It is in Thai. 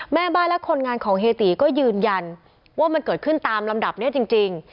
แม่บ้านและคนงานของเฮตีก็ยืนยันว่ามันเกิดขึ้นตามลำดับนี้จริง